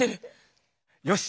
よし！